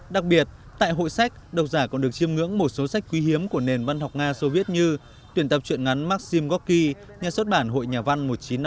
đặc biệt tại hội sách độc giả còn được chiêm ngưỡng một số sách quý hiếm của nền văn học nga soviet như tuyển tập chuyện ngắn maxim goky nhà xuất bản hội nhà văn một nghìn chín trăm năm mươi